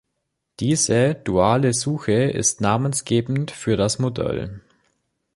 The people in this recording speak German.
Diese 'duale' Suche ist namensgebend für das Modell.